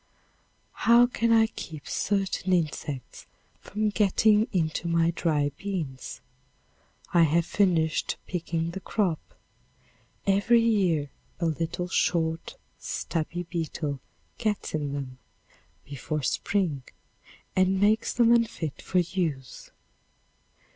How can I keep certain insects from getting into my dry beans? I have finished picking the crop. Every year a little, short, stubby beetle gets in them before spring and makes them unfit for use.